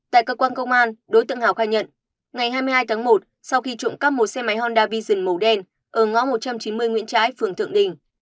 tại cơ quan công an đối tượng hào khai nhận ngày hai mươi hai tháng một sau khi trộm cắp một xe máy honda vision màu đen ở ngõ một trăm chín mươi nguyễn trái phường thượng đình